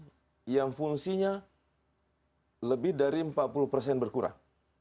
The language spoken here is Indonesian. ini sudah ada sungai yang fungsinya lebih dari empat puluh berkurang